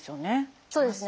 そうですね。